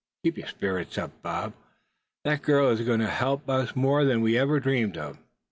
Keep your spirits up, Bob. That girl is going to help us more than we ever dreamed of."